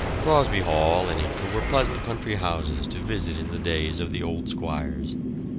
Crosby Hall and Ince were pleasant country houses to visit in the days of the old squires.